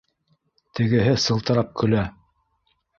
Тегеһе сылтырап көлә: